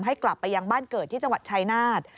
ให้กลับไปยังบ้านเกิดที่จังหวัดชายนาฏ